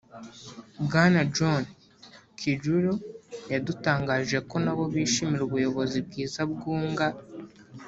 Bwana John Kijuli yadutangarije ko nabo bishimira ubuyobozi bwiza bwunga